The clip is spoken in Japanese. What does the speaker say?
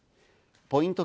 ポイント